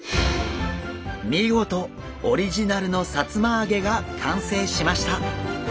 見事オリジナルのさつま揚げが完成しました！